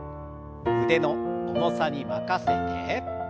腕の重さに任せて。